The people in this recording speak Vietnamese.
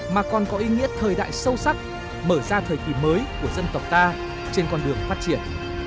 mà còn có ý nghĩa thời đại sâu sắc mở ra thời kỳ mới của dân tộc ta trên con đường phát triển